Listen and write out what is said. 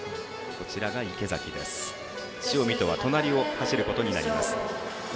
池崎は塩見と隣を走ることになります。